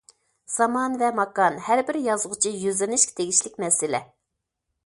زامان ۋە ماكان ھەر بىر يازغۇچى يۈزلىنىشكە تېگىشلىك مەسىلە.